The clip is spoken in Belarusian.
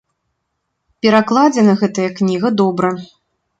Перакладзена гэтая кніга добра.